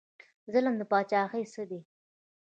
ظلم د پاچاهۍ څه دی؟